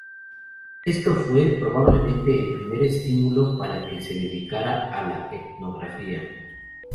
Esto fue, probablemente, el primer estímulo para que se dedicara a la etnografía.